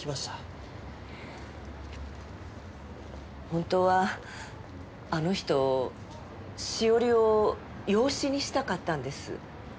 本当はあの人栞を養子にしたかったんです。